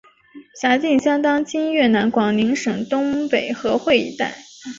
辖境相当今越南广宁省东北河桧一带。